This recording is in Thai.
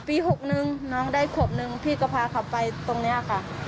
ปี๖นึงน้องได้ขวบนึงพี่ก็พาเขาไปตรงนี้ค่ะ